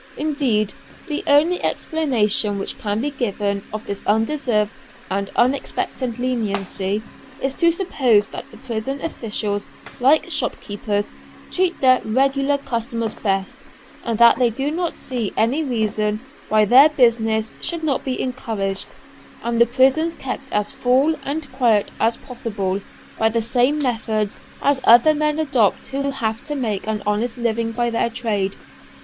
Indeed, the only explanation which can be given of this undeserved and unexpected leniency is to suppose that the prison officials, like shopkeepers, treat their "regular" customers best, and that they do not see any reason why their business should not be encouraged, and the prisons kept as full and quiet as possible by the same methods as other men adopt who have to make an honest living by their trade.